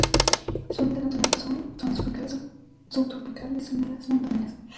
Su hábitat natural son: zonas subtropicales o tropicales húmedas, montañas